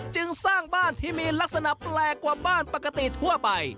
จึงสร้างบ้านที่มีลักษณะแปลกกว่าบ้านปกติทั่วไป